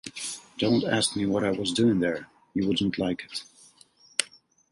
Don’t ask me what I was doing there, you wouldn’t like it.